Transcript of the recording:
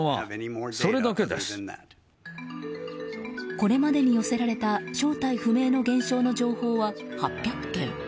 これまでに寄せられた正体不明の現象の情報は８００件。